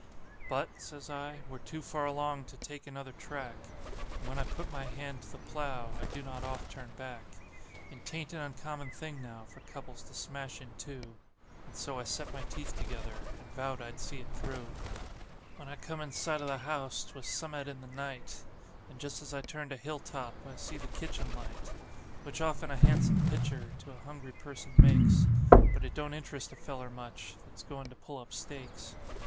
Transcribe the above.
"But," says I, "we're too far along to take another track, And when I put my hand to the plow I do not oft turn back; And 'tain't an uncommon thing now for couples to smash in two;" And so I set my teeth together, and vowed I'd see it through. When I come in sight o' the house 'twas some'at in the night, And just as I turned a hill top I see the kitchen light; "AND JUST AS I TURNED A HILL TOP I SEE THE KITCHEN LIGHT." Which often a han'some pictur' to a hungry person makes, But it don't interest a feller much that's goin' to pull up stakes.